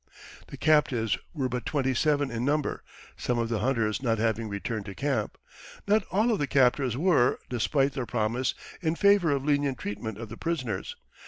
The captives were but twenty seven in number, some of the hunters not having returned to camp. Not all of the captors were, despite their promise, in favor of lenient treatment of the prisoners.